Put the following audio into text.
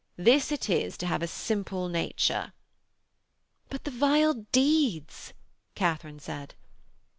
This it is to have a simple nature....' 'But the vile deeds!' Katharine said.